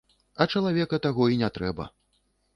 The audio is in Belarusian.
А чалавека таго і не трэба.